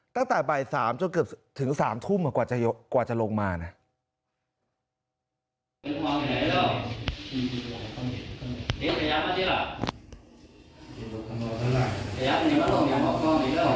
ตั้งแต่บ่าย๓จนเกือบถึง๓ทุ่มกว่าจะลงมานะ